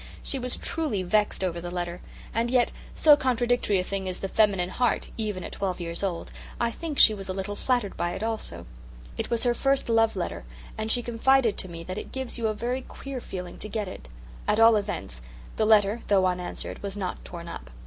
She was truly vexed over the letter; and yet, so contradictory a thing is the feminine heart, even at twelve years old, I think she was a little flattered by it also. It was her first love letter and she confided to me that it gives you a very queer feeling to get it. At all events the letter, though unanswered, was not torn up.